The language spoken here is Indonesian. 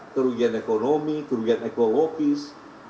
kerugian ekonomi kerugian ekologis